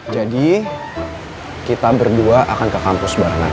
jadi kita berdua akan ke kampus barengan